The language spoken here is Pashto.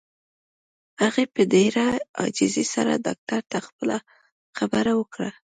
هغې په ډېره عاجزۍ سره ډاکټر ته خپله خبره وکړه.